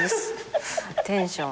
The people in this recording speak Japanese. テンション。